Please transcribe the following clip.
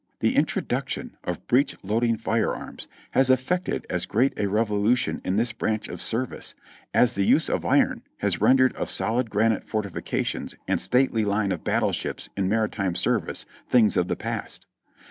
The introduction of breech loading fire arms has effected as great a revolution in this branch of service as the use of iron has rendered of solid granite fortifications, and stately line of battleships in mar itime service things of the past.